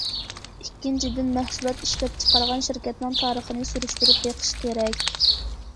ئىككىنچىدىن، مەھسۇلات ئىشلەپچىقارغان شىركەتنىڭ تارىخىنى سۈرۈشتۈرۈپ بېقىش كېرەك.